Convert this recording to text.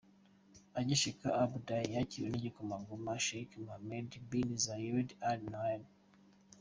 Agishika I Abu Dhabi yakiriwe n'igikomangoma Sheikh Mohammed bin Zayed al-Nahyan.